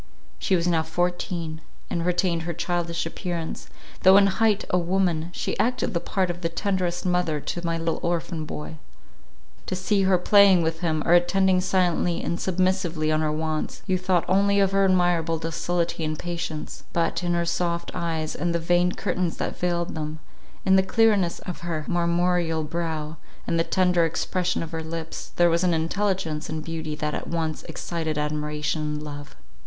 She was now fourteen, and retained her childish appearance, though in height a woman; she acted the part of the tenderest mother to my little orphan boy; to see her playing with him, or attending silently and submissively on our wants, you thought only of her admirable docility and patience; but, in her soft eyes, and the veined curtains that veiled them, in the clearness of her marmoreal brow, and the tender expression of her lips, there was an intelligence and beauty that at once excited admiration and love.